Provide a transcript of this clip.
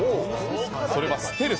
それは、ステルス。